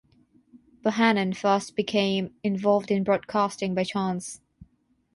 Bohannon first became involved in broadcasting by chance.